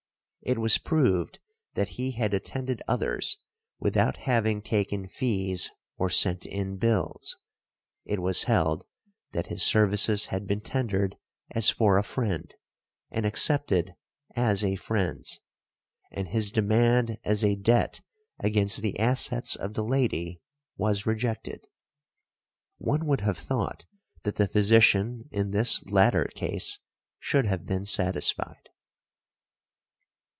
It was proved that he had attended others without having taken fees or sent in bills. It was held that his services had been tendered as for a friend, and accepted as a friends, and his demand as a debt against the assets of the lady was rejected . One would have thought that the physician in this latter case should have been satisfied.